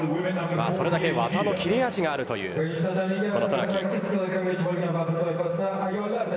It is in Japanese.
それだけ技のキレ味があるというこの渡名喜です。